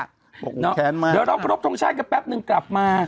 เดี๋ยวน้องพระปรบทงชาติก็แป๊บนึงกลับมา